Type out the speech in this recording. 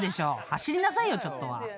走りなさいよちょっとは］